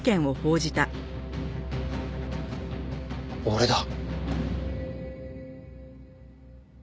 俺だ。